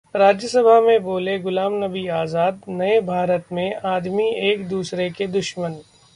राज्यसभा में बोले गुलाम नबी आजाद- नए भारत में आदमी एक-दूसरे के दुश्मन